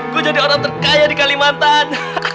gue jadi orang terkaya di kalimantan